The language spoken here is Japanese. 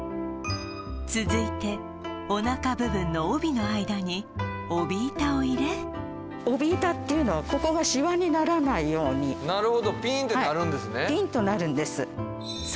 続いておなか部分の帯の間に帯板を入れ帯板っていうのはここがしわにならないようになるほどぴーんてなるんですね